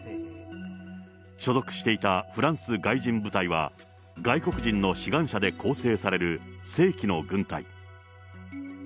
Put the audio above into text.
所属していたフランス外人部隊は、外国人の志願者で構成される正規の軍隊。